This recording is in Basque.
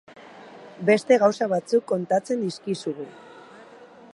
Beste gauza batzuk kontatzen dizkizugu.